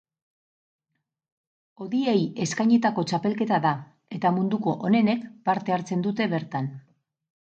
Hodiei eskainitako txapelketa da, eta munduko onenek parte hartzen dute bertan.